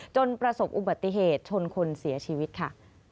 ประสบอุบัติเหตุชนคนเสียชีวิตค่ะ